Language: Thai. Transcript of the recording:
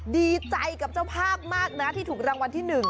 ดีใจกับเจ้าภาพมากนะที่ถูกรางวัลที่๑